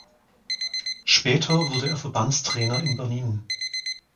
Später wurde er Verbandstrainer in Berlin.